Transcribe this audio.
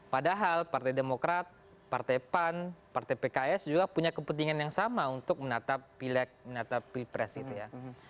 padahal partai demokrat partai pan partai pks juga punya kepentingan yang sama untuk menatap pilih presidio